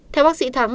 theo bác sĩ thắng